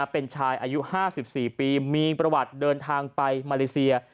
เป็นชายอายุ๕๔ปีมีประวัติเดินทางไปมาเลเซีย